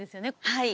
はい。